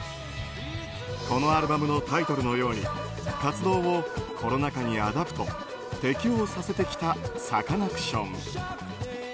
このアルバムのタイトルのように活動をコロナ禍にアダプト適応させてきたサカナクション。